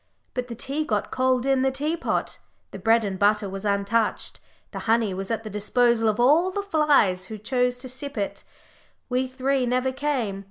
But the tea got cold in the teapot, the bread and butter was untouched, the honey was at the disposal of all the flies who chose to sip it we three never came!